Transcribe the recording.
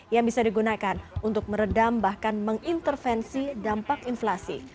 yang bisa digunakan untuk meredam bahkan mengintervensi dampak inflasi